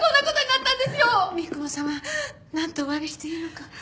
なんとおわびしていいのか。